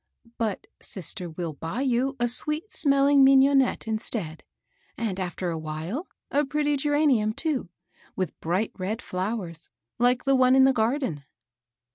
"But sister will buy you a sweet smelling mignonette, instead ; and, aflber a while, a pretty geranium, too, with bright red flowers, like the one in the garden."